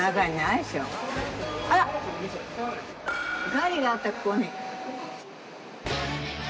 ガリがあったここに。